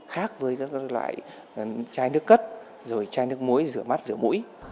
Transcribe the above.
khác với các loại chai nước cất rồi chai nước muối rửa mắt rửa mũi